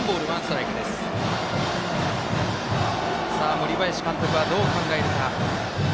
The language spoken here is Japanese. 森林監督は、どう考えるか。